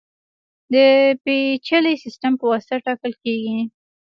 د پېچلي سیستم په واسطه ټاکل کېږي.